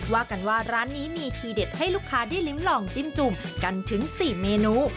ว่ากันว่าร้านนี้มีทีเด็ดให้ลูกค้าได้ลิ้มลองจิ้มจุ่มกันถึง๔เมนู